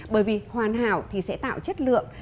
bởi vì hoàn hảo thì sẽ tạo chất lượng